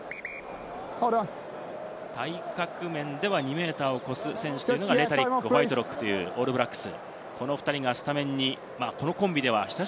体格面では２ｍを超す選手がレタリックとホワイトロックというオールブラックス。